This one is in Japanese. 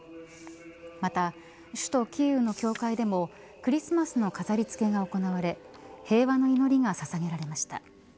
また、首都キーウの教会でもクリスマスの飾り付けが行われ平和の祈りがささげられました。